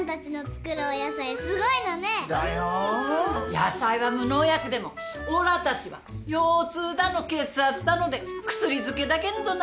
野菜は無農薬でもおらたちは腰痛だの血圧だので薬漬けだけんどな。